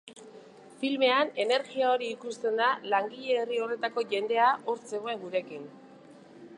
Filmean energia hori ikusten da, langile herri horretako jendea hor zegoen gurekin.